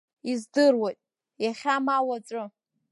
Издыруеит, иахьа ма уаҵәы…